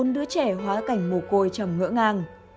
bốn đứa trẻ hóa cảnh mù côi chồng ngỡ ngang